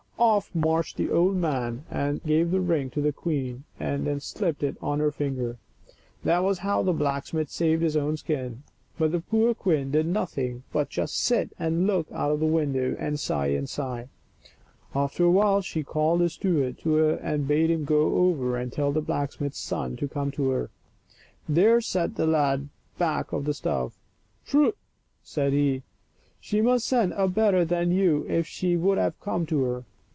Off marched the old man and gave the ring to the queen, and she slipped it on her finger. That was how the blacksmith saved his own skin ; but the poor queen did nothing but just sit and look out of the window, and sigh and sigh. After a while she called her steward to her and bade him go over and tell the blacksmith*s son to come to her. There sat the lad back of the stove. " Prut ! said he, " she must send a better than you if she would have me come to her.